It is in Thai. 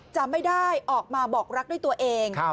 จะไม่ได้ออกมาบอกรักด้วยตัวเอง